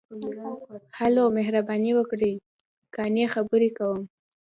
ـ هلو، مهرباني وکړئ، قانع خبرې کوم.